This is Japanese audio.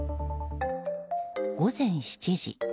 午前７時。